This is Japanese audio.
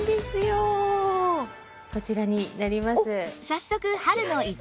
こちらになります。